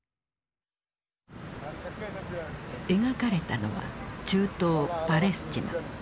描かれたのは中東パレスチナ。